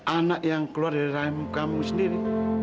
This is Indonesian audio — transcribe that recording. anak yang keluar dari raimu kamu sendiri